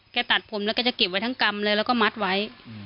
ตัดผมแล้วก็จะเก็บไว้ทั้งกำเลยแล้วก็มัดไว้